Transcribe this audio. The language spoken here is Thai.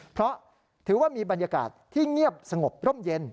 เพราะถือว่ามีบรรยากาศที่เงียบสงบร่มเย็น